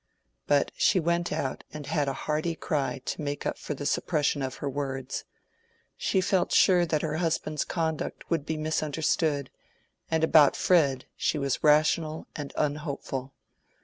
But she went out and had a hearty cry to make up for the suppression of her words. She felt sure that her husband's conduct would be misunderstood, and about Fred she was rational and unhopeful.